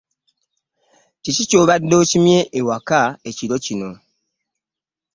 Kiki ky'obade okimye ewaka ekiro kino?